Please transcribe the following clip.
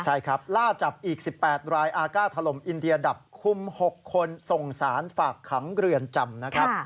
ใช่ครับล่าจับอีก๑๘รายอากาศถล่มอินเดียดับคุม๖คนส่งสารฝากขังเรือนจำนะครับ